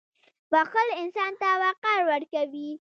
• بښل انسان ته وقار ورکوي.